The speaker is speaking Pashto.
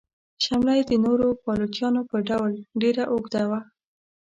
شمله یې د نورو پایلوچانو په ډول ډیره اوږده وه.